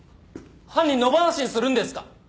犯人野放しにするんですか！